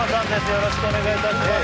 よろしくお願いします